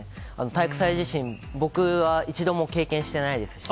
体育祭自身、僕は一度も経験してないですし。